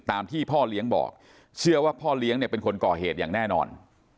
ตามที่พ่อเลี้ยงบอกเชื่อว่าพ่อเลี้ยงเนี่ยเป็นคนก่อเหตุอย่างแน่นอน